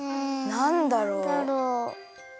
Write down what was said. なんだろう？